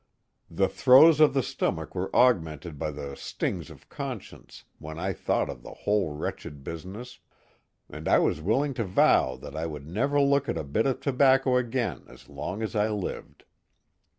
The throes of the stomach were aug mented by the stings of conscience, when I thought of the whole wretched business, and I was willing to vow that I would never look at a bit of tobacco again as long as I lived.